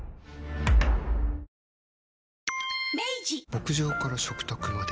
牧場から食卓まで。